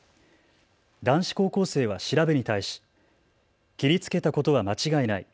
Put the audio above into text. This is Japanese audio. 男子高校生は調べに対し切りつけたことは間違いない。